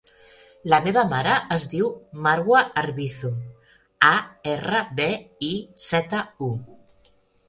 La meva mare es diu Marwa Arbizu: a, erra, be, i, zeta, u.